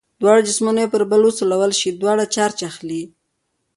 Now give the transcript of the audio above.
دواړه جسمونه یو پر بل وسولول شي دواړه چارج اخلي.